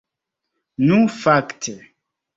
Nu fakte!